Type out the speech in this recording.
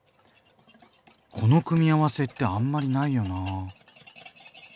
この組み合わせってあんまりないよなぁ。